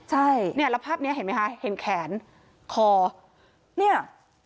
ใช่เนี่ยแล้วภาพนี้เห็นไหมคะเห็นแขนคอเนี่ย